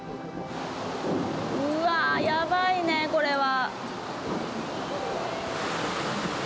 うわあ、やばいね、これは。